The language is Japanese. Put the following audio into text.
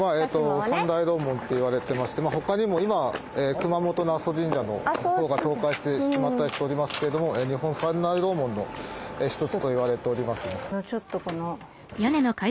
三大楼門と言われてまして他にも今熊本の阿蘇神社のほうが倒壊してしまったりしておりますけども日本三大楼門の一つと言われております。